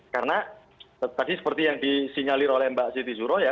karena tadi seperti yang disinyalir oleh mbak siti suro ya